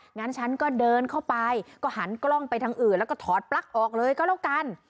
งั้นฉันก็เดินเข้าไปก็หันกล้องไปทางอื่นแล้วก็ถอดปลั๊กออกเลยก็แล้วกัน